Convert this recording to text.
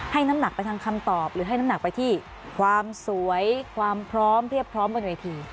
น้ำหนักไปทางคำตอบหรือให้น้ำหนักไปที่ความสวยความพร้อมเรียบพร้อมบนเวที